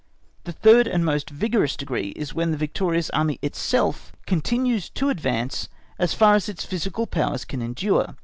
The third and most vigorous degree is when the victorious Army itself continues to advance as far as its physical powers can endure.